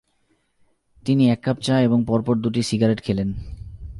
তিনি এক কাপ চা এবং পরপর দুটি সিগারেট খেলেন।